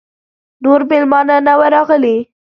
نور مېلمانه نه وه راغلي.